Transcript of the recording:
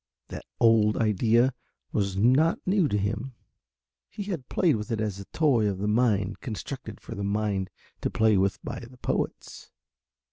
That old idea was not new to him, he had played with it as a toy of the mind constructed for the mind to play with by the poets.